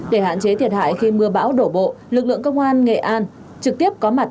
để hạn chế thiệt hại khi mưa bão đổ bộ lực lượng công an nghệ an trực tiếp có mặt